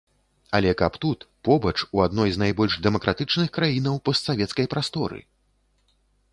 Але каб тут, побач, у адной з найбольш дэмакратычных краінаў постсавецкай прасторы!